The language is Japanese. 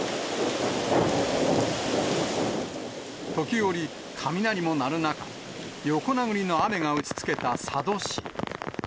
時折、雷も鳴る中、横殴りの雨が打ちつけた佐渡市。